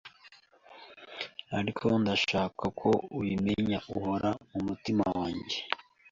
Ariko ndashaka ko ubimenya, uhora mumutima wanjye.